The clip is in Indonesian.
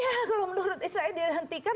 ya kalau menurut israel dihentikan